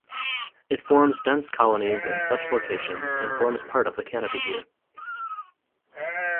It forms dense colonies in such locations and forms part of the canopy here.